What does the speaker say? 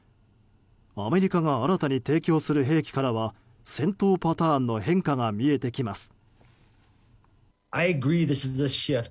アメリカが新たに提供する兵器からは戦闘パターンの変化が見えてきます。